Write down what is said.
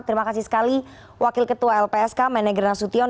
terima kasih sekali wakil ketua lpsk meneger nasution